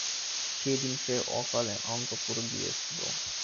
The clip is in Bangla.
সেইদিন সে অকালে অন্তঃপুরে গিয়াছিল।